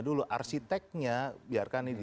dulu arsiteknya biarkan